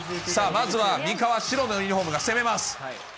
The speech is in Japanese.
さあ、まずは三河、白のユニホームが攻めます。